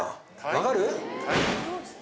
分かる？